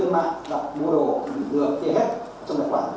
lên mạng đặt mua đồ bị ngược kê hết trong vận động viên